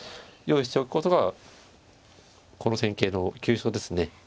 用意しておくことがこの戦型の急所ですね。